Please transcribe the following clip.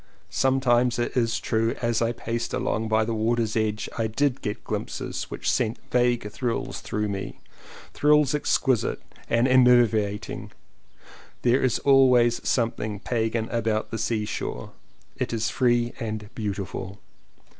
Sometimes it is true as I paced along by the water's edge I did get glimpses which sent vague thrills through me — thrills exquisite and enervating. There is always something Pagan about the seashore: it is free and beautiful.